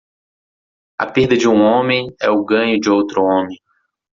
A perda de um homem é o ganho de outro homem.